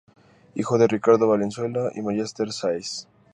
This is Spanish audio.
Hijo de "Ricardo Valenzuela" y "María Ester Sáez".